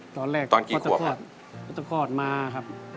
ตอนแรกเขาจะคลอดมาครับคลอดมาแรกครับตอนกี่ขวบ